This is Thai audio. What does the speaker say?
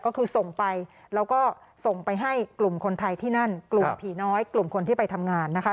ก็คือส่งไปแล้วก็ส่งไปให้กลุ่มคนไทยที่นั่นกลุ่มผีน้อยกลุ่มคนที่ไปทำงานนะคะ